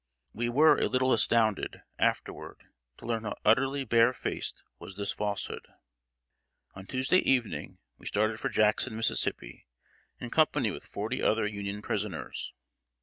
We were a little astounded, afterward, to learn how utterly bare faced was this falsehood. On Tuesday evening we started for Jackson, Mississippi, in company with forty other Union prisoners.